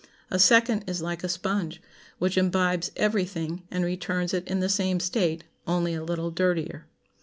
A second is like a sponge, which imbibes every thing, and returns it in the same state, only a little dirtier.